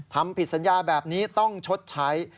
ทำผิดสัญญาแบบนี้ต้องชดใช้